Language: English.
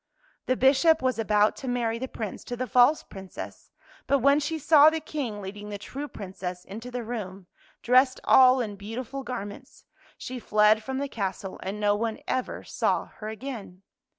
The Bishop was about to marry the Prince to the false Princess, but when she saw the King leading the true Princess into the room, dressed all in beautiful garments, she fled from the castle, and no one ever saw her again.